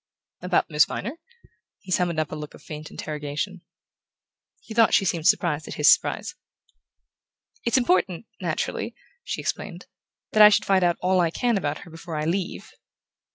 "About Miss Viner?" He summoned up a look of faint interrogation. He thought she seemed surprised at his surprise. "It's important, naturally," she explained, "that I should find out all I can about her before I leave."